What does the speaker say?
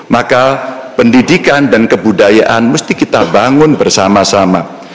maka pendidikan dan kebudayaan mesti kita bangun bersama sama